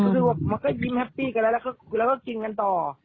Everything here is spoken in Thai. รู้สึกว่ามันก็ยิ้มแฮปปี้กันแล้วแล้วก็กินกันต่อ